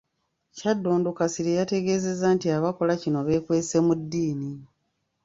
Kyaddondo Kasirye yategeezezza nti abakola kino beekwese mu ddiini